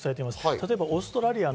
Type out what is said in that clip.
例えばオーストラリア。